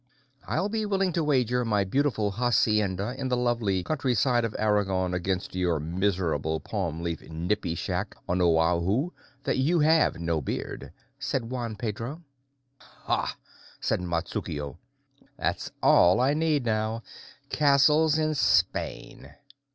"I'll be willing to wager my beautiful hacienda in the lovely countryside of Aragon against your miserable palm leaf nipi shack on Oahu that you have no beard," said Juan Pedro. "Hah!" said Matsukuo; "that's all I need now Castles in Spain."